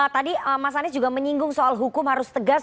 tadi mas anies juga menyinggung soal hukum harus tegas